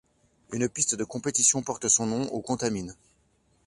Une piste de compétition porte son nom aux Contamines.